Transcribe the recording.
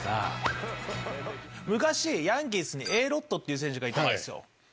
昔ヤンキースにＡ・ロッドっていう選手がいたんですよ。